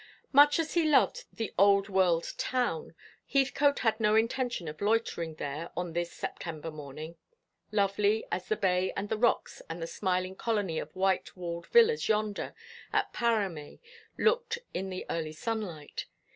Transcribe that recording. Much as he loved the old world town, Heathcote had no intention of loitering there on this September morning, lovely as the bay and the rocks and the smiling colony of white walled villas yonder at Paramé looked in the early sunlight.